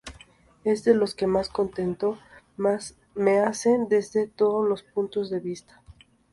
Es de los que más contento me hacen, desde todos los puntos de vista.